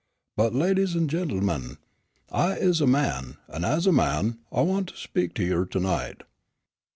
But, ladies an' gent'men, I is a man, an' as a man I want to speak to you ter night.